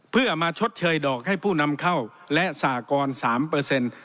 เพื่อมาชดเชยดอกให้ผู้นำเข้าและสากรสามเปอร์เซ็นต์